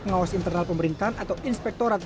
pengawas internal pemerintahan atau inspektorat